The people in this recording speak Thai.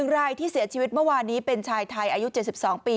รายที่เสียชีวิตเมื่อวานนี้เป็นชายไทยอายุ๗๒ปี